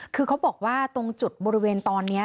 คือเขาบอกว่าตรงจุดบริเวณตอนนี้